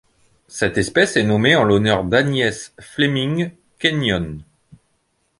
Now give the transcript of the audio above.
Cette espèce est nommée en l'honneur d'Agnes Fleming Kenyon.